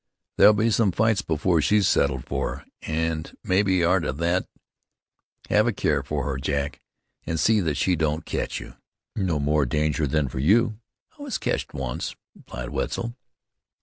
"There'll be some fights before she's settled for, an' mebbe arter thet. Have a care for her, Jack, an' see that she don't ketch you." "No more danger than for you." "I was ketched onct," replied Wetzel.